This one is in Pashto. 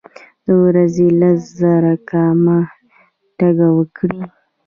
د ورځي لس زره ګامه تګ وکړئ.